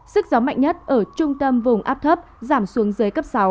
sức gió mạnh nhất ở trung tâm vùng áp thấp giảm xuống dưới cấp sáu